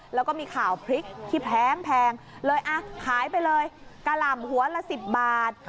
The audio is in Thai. แล้วก็มีข่าวพริกที่แพงเลยอ่ะขายไปเลยกะหล่ำหัวละ๑๐บาท